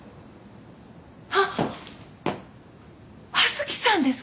あっ刃月さんですか？